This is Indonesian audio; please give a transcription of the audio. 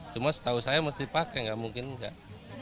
cuma setahu saya mesti pakai nggak mungkin enggak